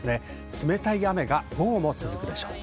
冷たい雨が午後も続くでしょう。